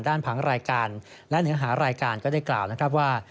ผังรายการและเนื้อหารายการก็ได้กล่าวนะครับว่า